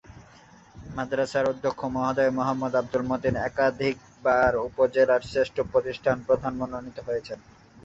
মাদ্রাসার অধ্যক্ষ মহোদয় মুহাম্মদ আব্দুল মতিন একাধিকবার উপজেলার শ্রেষ্ঠ প্রতিষ্ঠান প্রধান মনোনীত হয়েছেন।